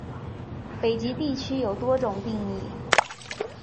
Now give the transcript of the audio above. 北极地区有多种定义。